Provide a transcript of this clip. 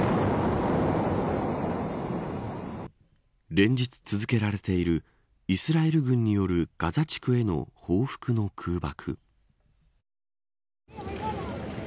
連日、続けられているイスラエル軍によるガザ地区への報復の空爆。